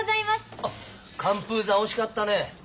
あっ寒風山惜しかったね。